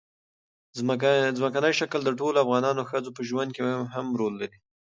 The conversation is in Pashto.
ځمکنی شکل د ټولو افغان ښځو په ژوند کې هم رول لري.